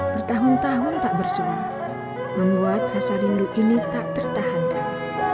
bertahun tahun tak bersuah membuat rasa rindu ini tak tertahankan